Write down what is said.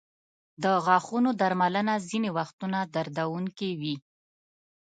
د غاښونو درملنه ځینې وختونه دردونکې وي.